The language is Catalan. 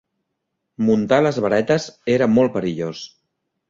Muntar les varetes era molt perillós.